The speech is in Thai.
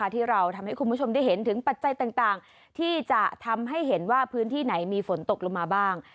ที่เราทำให้คุณผู้ชมได้เห็นถึงปัจจัยต่างที่จะทำให้เห็นว่าพื้นที่ไหนมีฝนตกลงมาบ้าง